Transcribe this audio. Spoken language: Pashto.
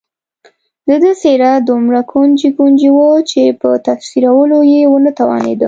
د ده څېره دومره ګونجي ګونجي وه چې په تفسیرولو یې ونه توانېدم.